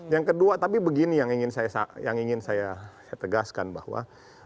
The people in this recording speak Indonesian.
yang kedua tapi begini yang ingin saya tegaskan bahwa